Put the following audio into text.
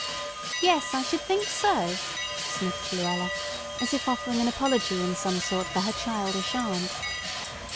"Yes, I should think so," sniffed Luella, as if offering an apology in some sort for her childish aunt.